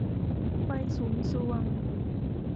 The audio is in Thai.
ไฟสุมทรวง